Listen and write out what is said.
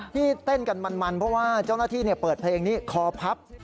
ที่เต้นกันมันเพราะว่าเจ้าหน้าที่เปิดเพลงนี้คอพับ